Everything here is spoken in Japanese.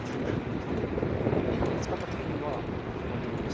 でも１個見つかった時にはほんとにうれしいという。